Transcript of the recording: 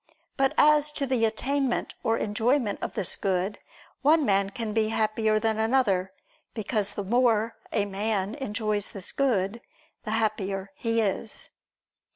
But as to the attainment or enjoyment of this Good, one man can be happier than another; because the more a man enjoys this Good the happier he is.